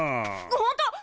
ほんと！？